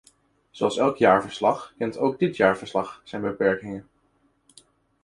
Zoals elk jaarverslag kent ook dit jaarverslag zijn beperkingen.